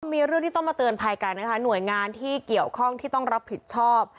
มีเรื่องที่ต้องมาเตือนภัยกันนะคะหน่วยงานที่เกี่ยวข้องที่ต้องรับผิดชอบ